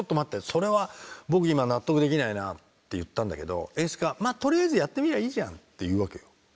それは僕今納得できないな」って言ったんだけど演出家は「まあとりあえずやってみりゃいいじゃん」って言うわけよ。